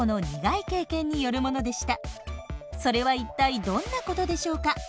それは一体どんなことでしょうか？